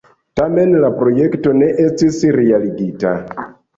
Tamen la projekto ne estis realigita.